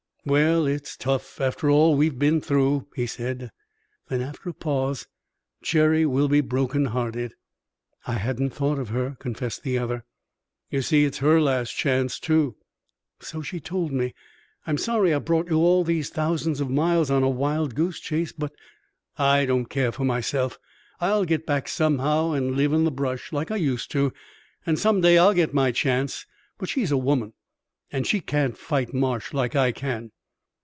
"Well, it's tough, after all we've went through," he said. Then, after a pause, "Cherry will be broken hearted." "I hadn't thought of her," confessed the other. "You see, it's her last chance, too." "So she told me. I'm sorry I brought you all these thousands of miles on a wild goose chase, but " "I don't care for myself. I'll get back somehow and live in the brush, like I used to, and some day I'll get my chance. But she's a woman, and she can't fight Marsh like I can."